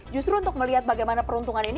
justru untuk melihat bagaimana peruntungan ini